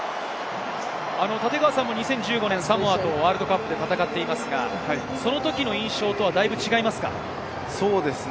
立川さんも２０１５年、サモアとワールドカップで戦っていますが、そのときの印象とはだいぶ違いますか？